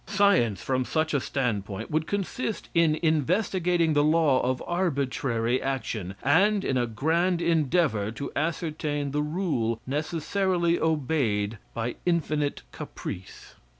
Science, from such a standpoint, would consist in investigating the law of arbitrary action, and in a grand endeavor to ascertain the rule necessarily obeyed by infinite caprice.